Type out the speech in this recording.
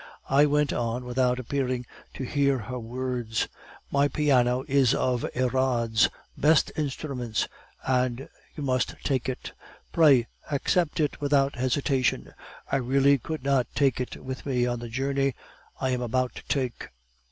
I went on without appearing to hear her words: "'My piano is one of Erard's best instruments; and you must take it. Pray accept it without hesitation; I really could not take it with me on the journey I am about to make.